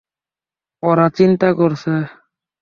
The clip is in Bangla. ওরা চিন্তা করছে।